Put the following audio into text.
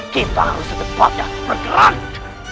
kita harus secepatnya bergerak